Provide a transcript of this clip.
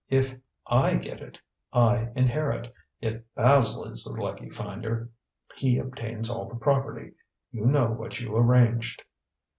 If I get it, I inherit; if Basil is the lucky finder, he obtains all the property. You know what you arranged."